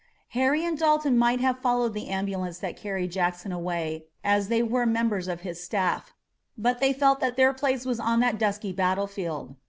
Harry and Dalton might have followed the ambulance that carried Jackson away, as they were members of his staff, but they felt that their place was on this dusky battlefield.